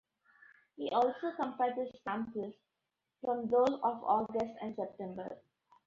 He also compared the samples from those of August and September.